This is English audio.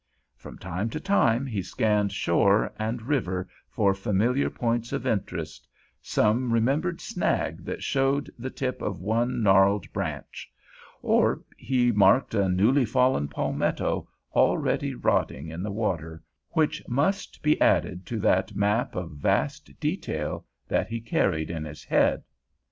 From time to time he scanned shore and river for familiar points of interest—some remembered snag that showed the tip of one gnarled branch. Or he marked a newly fallen palmetto, already rotting in the water, which must be added to that map of vast detail that he carried in his head.